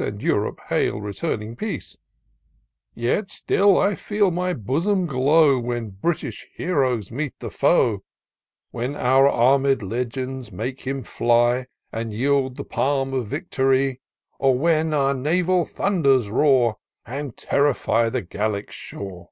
And Europe hail returning peace; Yet still I feel my bosom glow, When British heroes meet the foe ; When our arm'd legions make hira fly. And yield the palm of victory ; Or when our naval thunders roar. And terrify the Gallic shore.